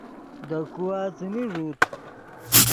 دے کھوا څیمی ݱوت